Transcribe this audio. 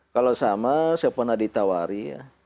kalau sama saya pernah ditawari ya